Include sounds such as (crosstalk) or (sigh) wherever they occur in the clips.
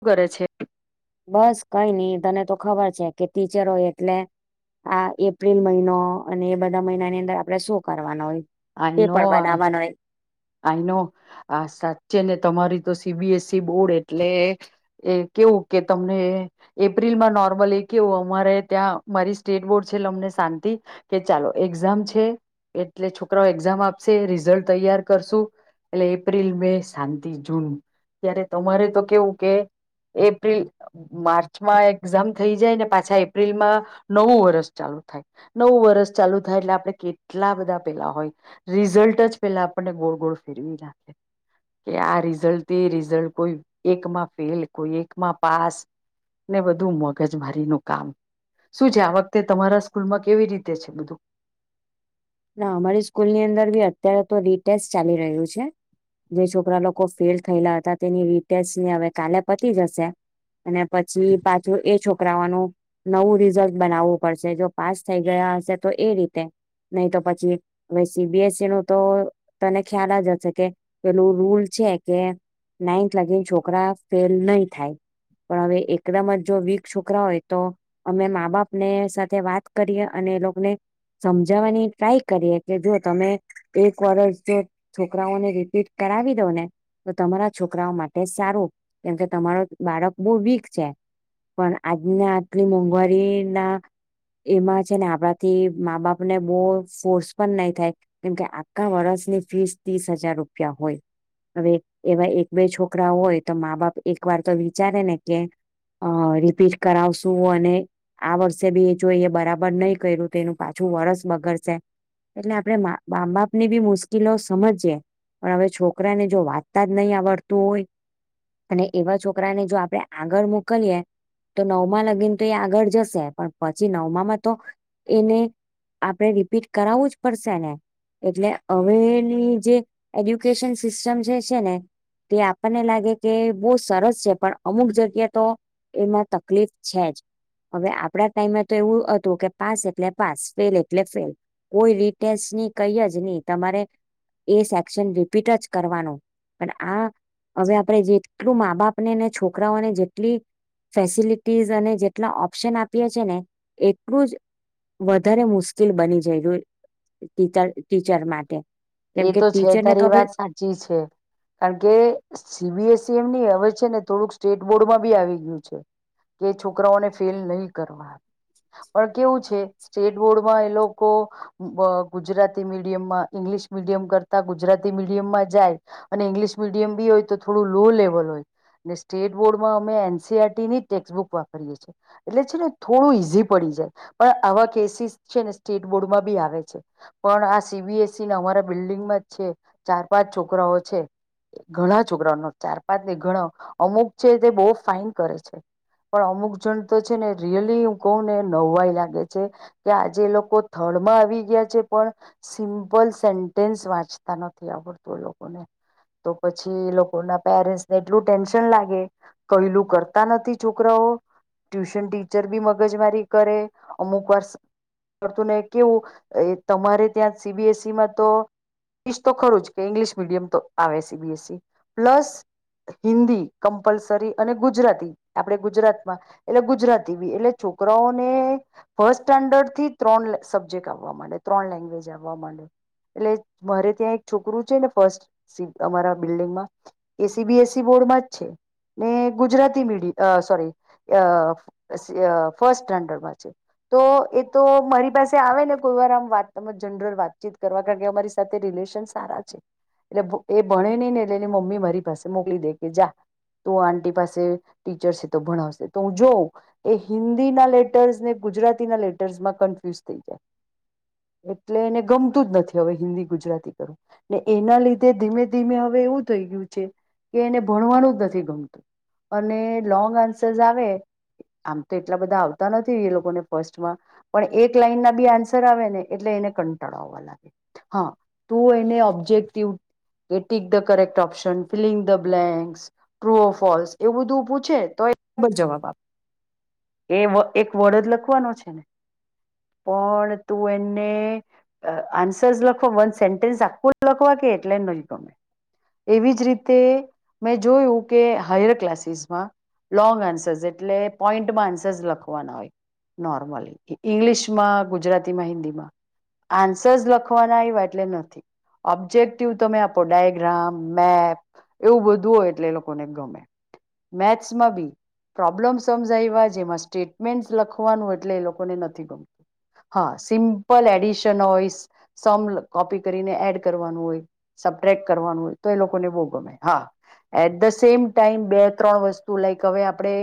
શું કરે છે બસ કઈ નઈ તને તો ખબર છે કે ટીચરોય એટલે આ એપ્રિલ મહિનો અને એ બધા મહિનાની અંદર આપડે શું કરવાનો હોય આઈનો પેપર આ બનાવવાનો હોય આઈનો આ સાચે ને તમારી તો સીબીએસઇ બોર્ડ એટલે એ કેવું કે તમને એપ્રિલમાં નોર્મલ એ કેવું અમારે ત્યાં મારી સ્ટેટ બોર્ડ છે અમને શાંતિ કે ચાલો એક્ઝામ છે એટલે છો એક્ઝામ આપશે રિઝલ્ટ તૈયાર કરશું એટલે એપ્રિલ મે શાંતિ જૂન ત્યારે તમારે તો કેવું કે એપ્રિલ માર્ચમાં એક્ઝામ થઈ જાય ને પાછા એપ્રિલમાં નવું વરષ ચાલુ થાય નવું વરષ ચાલુ થાય એટલે આપણે કેટલા બધા પે હોય રિઝલ્ટ જ પેલા આપણને ગોળ ગોળ ફેરવી નાખે કે આ રિઝલ્ટ એ રિઝલ્ટ કોઈ એકમાં ફેલ કોઈ એકમાં પાસ ને બધું મગજ મારીનું કામ શું છે આ વખતે તમારા સ્કૂલમાં કેવી રીતે છે બધું ના અમારી સ્કૂલની અંદર બી અત્યારે તો રીટેસ્ટ ચાલી રહ્યું છે જે છોકરા લોકો ફેલ થયેલા હતા તેની રીટેસ્ટની હવે કાલે પતી જશે ને પછી પાછું એ છોકરી પકરાવાનું નવું રિઝલ્ટ બનાવવું પડશે જો પાસ થઈ ગયા હશે તો એ રીતે નહી તો પછી હવે સીબીએસઇ નું તો તને ખ્યાલ જ હશે કે પેલું રૂલ છે કે નાઈન્થ લાગીને છોકરા ફેલ નહી થાય પણ હવે એકદમ જ જો વીક છોકરા હોય તો અમે મા બાપને સાથે વાત કરીએ અને એ લોકોને સમ જાવાની ટ્રાય કરીએ કે જો તમે એક વર્ષ જો છોકરાઓને રિપીટ કરાવી દવ ને તો તમારા છોકરાઓ માટે સારું કેમકે તમારો બાળક બહુ વીક છે પણ આજના આટલી મોંઘવારી ના એમાં છે ને આપણાથી મા બાપ ને બો ફોર્સ પણ નહી થાય કેમકે આખા વર્ષની ફીસ ત્રીસ હજાર રૂપિયા હોય હવે એવા એક બે છોકરા હોય તો મા બાપ એક વાર તો વિચારે ને કે અ રીપીટ કરાવશું અને આ વર્ષે બી એ જોઈ એ બરાબર નહીં કર્યું તો એનું પાછ વરસ બગડશે એટલે આપણે મા મા બાપની બી મુશ્કેલો સમજીયએ પણ હવે છોકરાને જો વાંચતા જ નહીં આવડતું હોય અને એવા છોકરાને જો આપણે આગળ મોકલીએ તો નવમાં લગીને તો એ આગળ જશે પણ પછી નવમાંમાં તો એને આપડે રિપીટ કરાવવું જ પડશે ને એટલે હવેની જે એજ્યુકેશન સિસ્ટમ જે છે ને તે આપણને લાગે કે બહુ સરસ છે પણ અમુક જગ્યા તો એમાં તકલીફ છે જ હવે આપડા ટાઈમે તો એવું હતું કે પાસ એટલે પાસ ફેલ એટલે ફેલ કોઈ રીટેસ્ટની કઈ જ નહી તમારે એ સેક્શન રિપીટ જ કરવાનું પણ આ હવે આપણે જેટલું મા બાપને ને છોકરાઓને જેટલી ફેસિલિટીઝ અને જેટલા ઓપ્શન આપીએ છે ને એટલું જ વધારે મુશ્કેલ બની જઈ્યું ટીચર ટીચર માટે એ કેમ કે તો છે ટીચરને તો તારી હવે વાત સાચી છે કારણ કે સીબીએસઇ એમની હ છે ને થોડુંક સ્ટેટ બોર્ડમાં બી આવી ગયું છે કે છોકરાઓને ફેલ નહી કરવા પણ કેવું છે સ્ટેટ બોર્ડમાં એ લોકો બ ગુજરાતી મીડિયમમાં ઈંગ્લિશ મીડયમ કરતા ગુજરાતી મીડિયમમાં જાય અને ઇંગ્લિશ મીડિયમ બી હોય તો થોડું લો લેવલ હોય સ્ટેટ બોર્ડમાં અમે એનસીઆરટીની ટેક્સબુક વાપરીએ છેએ એટલે છે ને થોડું ઈઝી પડી જાય પણ આવા કેસીસ છે ને સ્ટેટ બોર્ડમાં બી આવે છે પણ આ સીબીએસ અમા બિલ્ડિંગમાં જ છે ચાર પાંચ છોકરાઓ છે ઘણા છોકરાઓનો ચાર પાંચ ને ઘણા અમુક છે તે બહુ ફાાઈન કરે છે પણ અમુક જણ તો છે ને રિયલી હું કહું ને નવાય લાગે છે કે આજે લોકો થર્ડમાં આવી ગયા છે પણ સિમ્પલ સે- ટેન્સ વાંચતા નથી આવડતું એ લોકોને તો પછી એ લોકો ના પેરેન્ટસને એટલું ટેન્શન લાગે કહેલું કરતા નથી છોકરાઓ ટ્યુશન ટીચર બી મગજ મારી કરે અમુક વારતુંને કેવું તમારે ત્યાં સીબીએસઇમાં તો ઇશ તો ખરું જ કે ઇંગ્લિશ મીડિયમ તો આવે C B S C plus Hindi compulsory અને ગુજરાતી આપડે ગુજરાતમાં એટલે ગુજરાતી બી એટલે છોકરાઓને ફર્સ્ટ સ્ટાન્ડર્ડ થી ત્રણ સબ્જેક્ટ આવવા માંડે ત્રણ લેંગ્વેજ આવવા માંડે. એટલે મારે ત્યાં એક છોકરું છે ને ફર્સ્ટ સી અમારા બિલ્ડીિંગમાં એ સી બી એસ સી બોર્ડમાં જ છે ને ગુજરાતી મીડ સોરી અઅ અ ફસ્ટ સ્ટાન્ડર્ડમાં છે તો એ તો મારી પાસે આવેને કોઈ વાર આમત જનરલ વાતચીત કરવા અમારી સાથે રિલેશન સારા છે એટલે એ ભણે નહી ને એટલે એ મમ્મી મારી પાસે મોકલી દે કે જા તું આંટી પાસે ટીચર છે તો ભણાવશે તો હું જોઉં એ હિન્દી ના લેટર્સ ને ગુજરાતી ના લેટર્સમાં કન્ફ્યુઝ થઈ જાય એટલે એને ગમતું જ નથી હવે હિન્દી ગુજરાતી કરો ને એના લીધે ધીમે ધીમે હવે એવું થઈ ગયું છે કે એને ભણવાનું જ નથી ગમતું અને લોંગ આન્સરસ આવે આમ તો એટલા બધા આવતા નથી એ લોકોને ફર્સ્ટમાં પણ એક લાઈન ના બી આન્સર આવે ને એટલે એને કંટાલો આવવા લા હા તું એને ઓબ્જેક્ટિવ એ tick the correct option filling the blanks true false એવું બધું પૂછે તો એ જવાબ આપ એ એક વડદ લખવાનો છે ને પણ તું એને આન્સ ટન્સ લખો વન સેન્ટેન્સ આખું લખવા કે એટલે નહી ગમે એવી જ રીતે મેં જોયું કે હાયર ક્લાસીસમાં લોંગ આન્સર્સ એટલે પોઈન્ટમાં આન્સર્સ લખવાના હોય નોર્મલી ઈંગ્લિશમાં ગુજરાતીમાં હિન્દીમાં આન્સર્સ લ ખવાના એટલે નથી ઓબ્જેક્ટિવ તમે આપો ડાયગ્રામ મેપ એવું બધું હોય એટલે એ લોકોને ગમે મેથ્સમાં બી પ્રોબ્લેમ સમજાય જેમાં સ્ટેટમેન્ટ લખવાનું એટલે એ લોકોને નથી ગમતું હા સિમ્પલ એડિશન હોઇસ સમ કોપી કરીને એડ કરવાનું હોય સબ ટ્રેક કરવાનું હોય તો એ લોકોને બો ગમે હા એટ ધ સેમ ટાઈમ બે ત્રણ વસ્તુ લાઈક હવે આપડે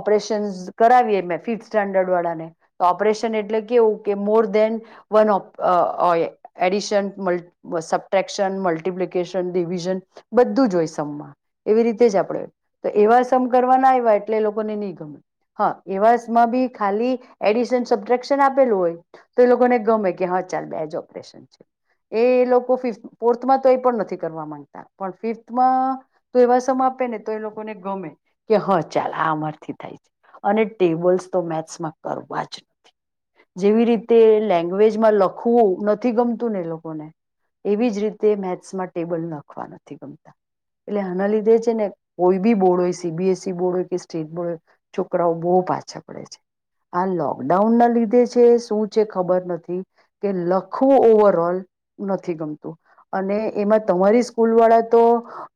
ઓપરેશનસ કરાવીએ મે ફિફથ સ્ટાન્ડર્ડ વાળાને તો ઓપરેશન એટલે કેવું કે મોર દેન વન ઓપ અ ઓ ઓય એડિશન સબટ્રેકશન મલ્ટિપ્લિકેશન ડિવિઝન બધું જ હોય સમમાં એવી રીતે જ આપડે તો એવા સમ કરવા ના આવ્યા એટલે એ લોકોને ની ગમે હા એવા સમમાં બી ખાલી એડિશન સબ્ટ્રક્શન આપેલું હોય તો લોકોને ગમે કે હા ચાલ બે જ ઓપરેન છે એ લોકો ફોર્થમાં તો એ પણ નથી કરવા માંગતા પણ ફિફ્થમાં એવા સમ આપે ને તો એ લોકોને ગમે કે હા ચાલ આ અમારાથી થાય છે અને ટેબલ્સ તો મેથ્સમાં કરવા નથી જેવી રીતે લેં ગવેજમાં લખવું નથી ગમતું ને એ લોકોને એવી જ રીતે મેથ્સમાં ટેબલ લખવા નથી ગમતા એટલે આના લીધે છે ને કોઈ બી બોર્ડ હોય C B S C board હોય કે સ્ટેટ બોર્ડ હોય છોકરાઓ બહુ પાછા પડે છે આ લોકડાઉન ના લીધે છે શું છે ખબર નથી. ચી કે લખવું ઓવરોલ નથી ગમતું અને એમાં તમારી સ્કૂલ વાળા તો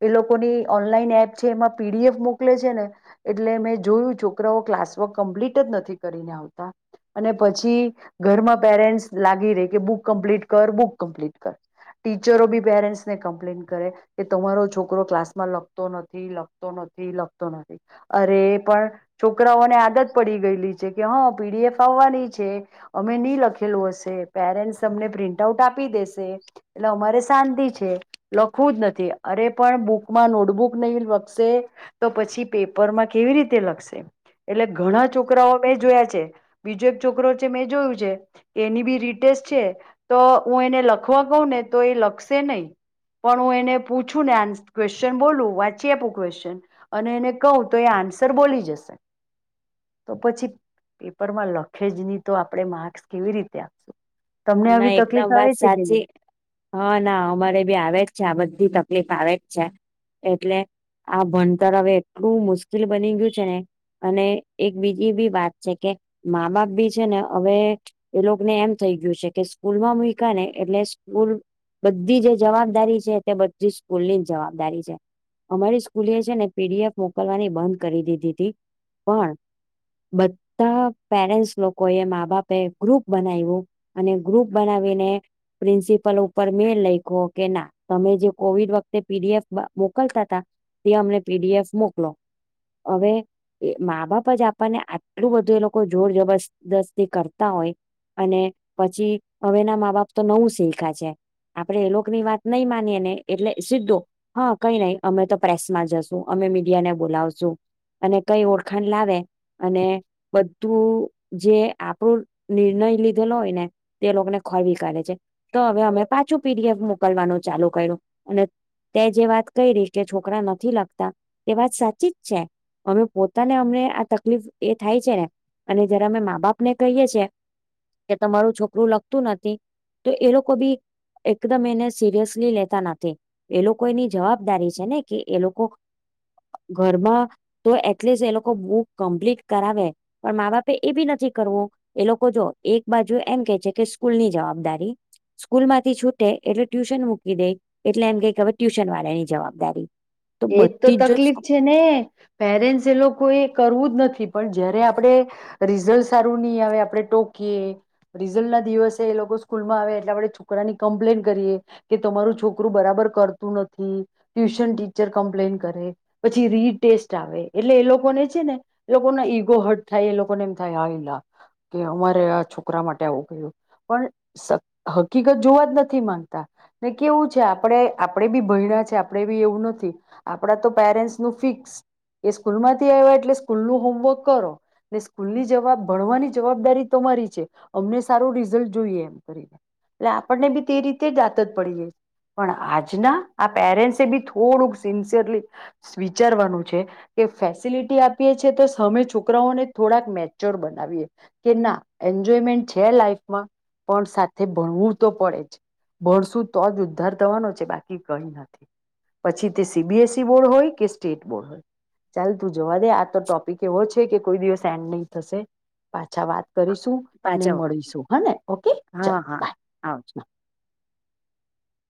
એ લોકોની ઓ નલાઇન એપ છે એમાં પીડીએફ મુ ને જે ને એટલે મેં જોયું છોકરાઓ ક્લાસવર્ક કમ્પ્લીટ જ નથી કરીને આવતા અને પછી ઘરમાં પેરેન્ટ લાગી રે કે બુક કમ્પ્લીટ કર બુક કમ્પ્લીટ કર ટીચરો બી પેરેન્ટ્સને કમ્પ્લેન કરે કે તમારો છોકરો ક્લાસમાં લખતો નથી લખતો નથી લખતો નથી અરે પણ છોક કરાઓને આદત પડી ગયેલી છે કે હા પીડીએફ આવવાની છે અમે ની લખેલું હશ તે પેરેન્ટ્સ અમને પ્રિન્ટ આઉટ આપી દેસ એટલે અમારે શાંતિ છે. તે લખવું જ નથી અરે પણ બુકમાં નોટબુક નહી લખશે. તો પછી પેપર માં કેવી રીત તે લખશે એટલે ઘણા છોકરાઓ મેં જોયા છે બીજો એક છોકરો મેં જોયું છે કે એની બી ડિટેસ્ટ છે તો હું એને લખવા કહું ને તો એ લખશે નઈ પણ હું એને પૂછું ને ક્વેશ્ચન બોલું વાંચી આપું ક્વેશ્ચન અને એને કહું તો એ આન્સર બોલી જશે તો પછી પેપરમાં લખે જ ની તો આપણે માર્ક્સ કેવી રીતે આપ (inaudible) ના એકદમ વાત કે નહી સાચી હા ના અમારે બી આવે જ છે આ બધી તક. લીફ આવે જ છે એટલે આ ભણતર હવે એટલું મુશ્કેલ બની ગયું છે ને અને એક બીજી બી વાત છે કે મા બાપ બી છે ને હવે એ લોકોને એમ થઈ ગયું છે કે સ્કૂલમાં મૂયકાને એટલે સ્કૂલ બધી જે જવાબદારી છે તે બધી સ્કૂલની જ જવાબદારી છે અમારી સ્કૂલે છેને પીડીએફ મોકલવાની બંધ કરી દીધી તી પણ બધા પેરેન્ટ્સ લોકો એ મા બાપે ગ્રુપ બનાવ્યું. અને ગ્રુપ બનાવીને પ્રિન્સિપલ ઉપર મેલ લયખો કે ના તમે જે કોવિડ વખતે પીડીએફ મોકલતા હતા તે અમને પીડીએફ મોકલો હવે મા બાપ જ આપણને આટલું બધું એ લોકો જોર જબરદસ્તી કરતા હોય અને પછી હવેના મા બાપ તો નવું શીયખા છે આપણે એ લોકોની વાત નઈ માનીએ ને એટલે સીધો હા કઈ નહી અમે તો પ્રેસ માં જશું અમે મીડિયાને બોલાવશું અને કઈ ઓળખાણ લાવે અને બધું જે આપડું નિર્ણય લીધેલો હોય ને તે લોકોને ખોળવી કાઢે છે તો હવે અમે પાછું પીડીએફ મોકલવાનું ચાલુ કર્યું અને તે જે વાત કયરી કે છોકરા નથી લખતા તે વાત સાચી જ છે અમે પોતાને અમને આ તકલીફ એ થાય છે ને અને જયારે અમે મા બાપને કહીએ છે કે તમારું છોક રુ લખતું નથી તો એ લોકો બી એકદમ એને સિરિયસલી લેતા નથી એ લોકો એની જવાબદારી છે ને કે એ લોકો ઘરમાં તો એટલીસ્ટ એ લોકો બુક કમ્પ્લીટ કરાવે પણ મા બાપે એ બી નથી કરવું એ લોકો જો એક બાજુ એમ કે છે કે સ્કૂલની જવાબદારી સ્કૂલ માંથી છૂટે એટલે ટ્યુશન મૂકી દેય એટલે એમ કેય કે હવે ટ્યુશન વાળાની જવાબદારી. એજ તો બધી જ તકલીફ જો છે ને પેરેન્ટ્સ એ લોકો એ કરવું જ નથી. પણ જયારે આપડે રિઝલ્ટ સારું ની આવે આપડે ટોકીએ રીઝલ્ટના દિવસે એ લોકો સ્કૂલમાં આવે એટલે આપડે છોકરાની કમ્પ્લેન કરીએ કે તમારું છોકરું બરાબર કરતું નથી ટ્યુશન ટી ચર ટમ્પ્લેન કરે પછી રીટેસ્ટ આવે એટલે એ લોકોને છે ને એ લોકોના ઈગો હર્ટ થાય એ લોકોને એમ થાય હલા કે અમારે આ છોકરા માટે આવું કહ્યું પણ હકીકત જોવા જ નથી માંગતા ને કેવું છે આપડે આપડે બી ભયણા છે આપડે બી એવું ન થી આપડાતો પેરેન્સનું ફિક્સ કે સ્કૂલ માંથી આવે એટલે સ્કૂલ નું હોમવર્ક કરો ને સ્કૂલની જવાબ ભણવાની જવાબદારી તમારી છે અમને સારું રિઝલ્ટ જોઈએ એમ કરીને હવે આપણને બી તે રીતે જ આતત પડી ગઈ પણ આજના આ પેરેન્સ્ટસે બી થોડુંક સિન્સરલી વિચારવાનું છે કે ફેસિલિટી આપીએ છે તો અમે છોકરાઓને થોડાક મેચ્યોર બનાવીએ કે ના એન્જોયમેન્ટ છે લાઈફમાં પણ સાથે ભણવું તો પડે જ ભણશું તો જ ઉદ્ધાર થવાનો છે બાકી કઈ નથી પછી C B S C board હોય કે સ્ટેટ બોર્ડ હોય ચાલ તું જવા દે આ તો ટોપિક એવો છે કે કોઈ દિવસ એન્ડ નહી થશે પા છા વાત કરીશું ને પાછળ મળીશું હા ને ઓકે ચલ હા હા આવ બાય.